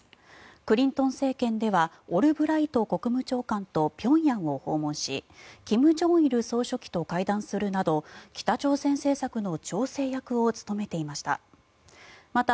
クリントン政権ではオルブライト国務長官と平壌を訪問し金正日総書記と会談するなど北朝鮮政策の調整役を務めていました。